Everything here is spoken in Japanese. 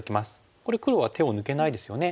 これ黒は手を抜けないですよね。